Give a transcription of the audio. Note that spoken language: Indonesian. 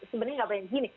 sebenarnya gak banyak gini